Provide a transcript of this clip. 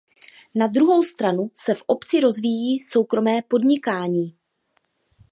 Na druhou stranu se v obci rozvíjí soukromé podnikání.